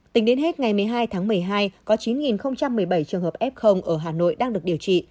tính đến hết ngày một mươi hai tháng một mươi hai có chín một mươi bảy trường hợp f ở hà nội đang được điều trị